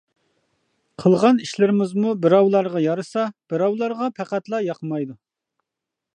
قىلغان ئىشلىرىمىزمۇ بىراۋلارغا يارىسا، بىراۋلارغا پەقەتلا ياقمايدۇ.